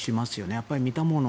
やっぱり、見たもの。